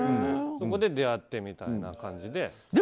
そこで出会って、みたいな感じで。